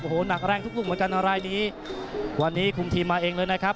โอ้โหหนักแรงทุกลูกเหมือนกันนะรายนี้วันนี้คุมทีมมาเองเลยนะครับ